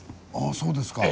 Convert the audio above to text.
そうですか。